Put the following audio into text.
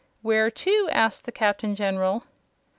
"Where to?" asked the Captain General.